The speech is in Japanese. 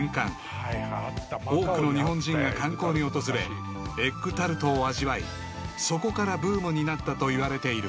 ［多くの日本人が観光に訪れエッグタルトを味わいそこからブームになったといわれている］